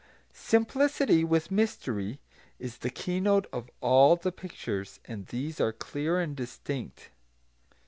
Simplicity, with mystery, is the keynote of all the pictures, and these are clear and distinct.